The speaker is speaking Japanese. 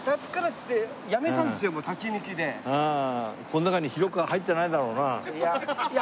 この中にひろかわ入ってないだろうな？